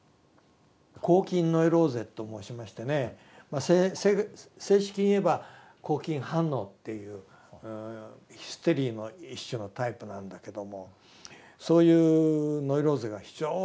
拘禁ノイローゼと申しましてね正式に言えば拘禁反応っていうヒステリーの一種のタイプなんだけどもそういうノイローゼが非常に多い。